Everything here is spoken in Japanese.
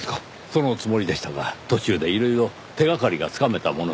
そのつもりでしたが途中でいろいろ手掛かりがつかめたもので。